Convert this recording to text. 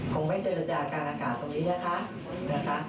คงไม่เจรจากลางอากาศตรงนี้นะคะ